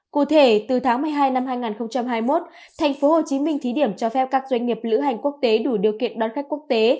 cụ thể từ tháng một mươi hai năm hai nghìn hai mươi một thành phố hồ chí minh thí điểm cho phép các doanh nghiệp lữ hành quốc tế đủ điều kiện đón khách quốc tế